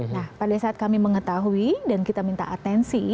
nah pada saat kami mengetahui dan kita minta atensi